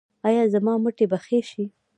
ایا زما مټې به ښې شي؟